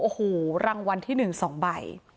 โอ้โหรางวัลที่๑๒ใบ